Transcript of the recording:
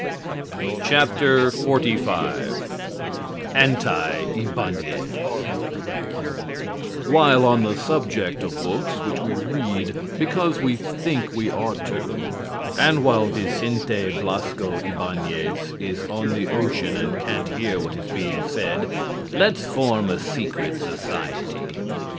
XLV ANTI IBÁÑEZ While on the subject of books which we read because we think we ought to, and while Vicente Blasco Ibáñez is on the ocean and can't hear what is being said, let's form a secret society.